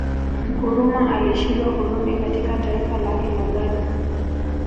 Nkrumah alishindwa kurudi katika taifa lake la Ghana